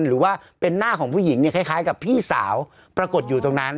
หรือว่าเป็นหน้าของผู้หญิงเนี่ยคล้ายกับพี่สาวปรากฏอยู่ตรงนั้น